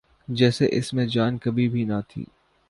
جیسے اس میں جان کبھی بھی نہ تھی۔